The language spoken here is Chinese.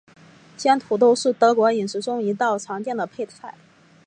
煎土豆是德国饮食中一道常见的配菜。